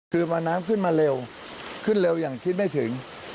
คือพอน้ำขึ้นมาเร็วขึ้นเร็วอย่างคิดไม่ถึง